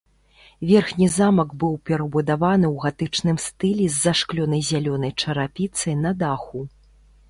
Верхні замак быў перабудаваны ў гатычным стылі з зашклёнай зялёнай чарапіцай на даху.